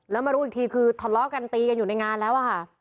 แล้วมารู้อีกทีคือทะเลาะกันตีกันอยู่ในงานแล้วอะค่ะ